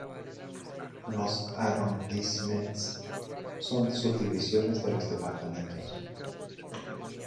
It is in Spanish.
Los "arrondissements" son subdivisiones de los departamentos.